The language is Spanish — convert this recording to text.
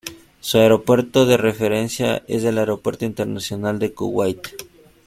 Su aeropuerto de referencia es el Aeropuerto Internacional de Kuwait.